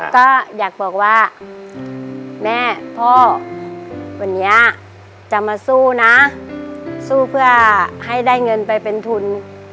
ก็อยากบอกว่าแม่พ่อวันนี้จะมาสู้นะสู้เพื่อให้ได้เงินไปเป็นทุน